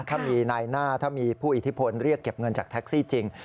ถ้ามีนายหน้าถ้ามีผู้อิทธิพลเรียกเก็บเงินจากแท็กซี่จริง